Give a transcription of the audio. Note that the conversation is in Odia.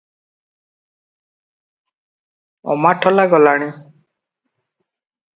ଅମାଠୋଲା ଗଲାଣି?